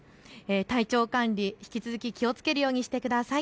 体調管理、引き続き気をつけるようにしてください。